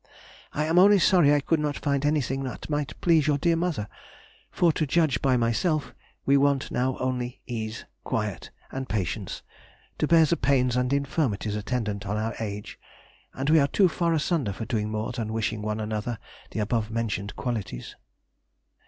I am only sorry I could not find anything that might please your dear mother, for, to judge by myself, we want now only ease, quiet, and patience to bear the pains and infirmities attendant on our age; and we are too far asunder for doing more than wishing one another the above mentioned qualities.